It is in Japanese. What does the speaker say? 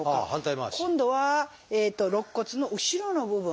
今度は肋骨の後ろの部分。